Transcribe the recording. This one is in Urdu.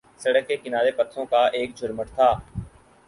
سڑک کے کنارے پتھروں کا ایک جھرمٹ تھا